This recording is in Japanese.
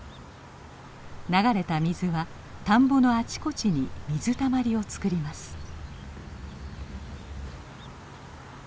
流れた水は田んぼのあちこちに水たまりを作ります。